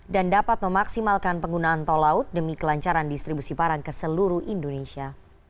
dan dapat memaksimalkan penggunaan tol laut demi kelancaran distribusi barang ke seluruh indonesia